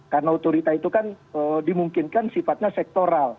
karena otorita itu kan dimungkinkan sifatnya sektoral